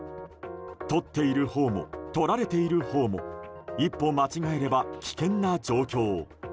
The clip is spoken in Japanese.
撮っているほうも撮られているほうも一歩間違えれば危険な状況。